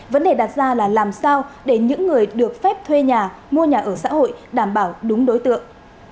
vấn đề đặt ra là làm sao để những người được phép thuê nhà mua nhà ở xã hội đảm bảo đúng đối tượng